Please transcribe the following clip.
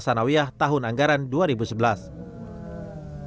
pembangunan kementerian agama sassanawiah tahun anggaran dua ribu sebelas